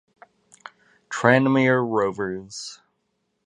Tranmere Rovers